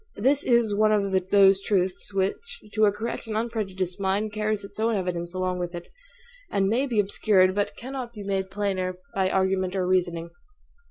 This is one of those truths which, to a correct and unprejudiced mind, carries its own evidence along with it; and may be obscured, but cannot be made plainer by argument or reasoning.